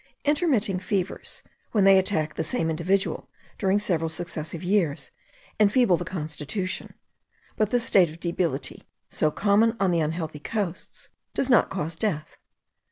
Intermitting fevers, when they attack the same individual during several successive years, enfeeble the constitution; but this state of debility, so common on the unhealthy coasts, does not cause death.